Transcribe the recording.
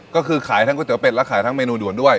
ก็คือขายทั้งก๋วเป็ดและขายทั้งเมนูด่วนด้วย